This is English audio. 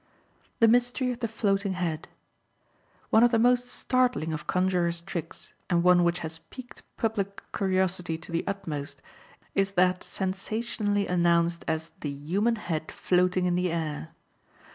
The Mystery of the Floating Head.—One of the most startling of conjurors' tricks, and one which has piqued public curiosity to the utmost, is that sensationally announced as the "Human Head Floating in the Air."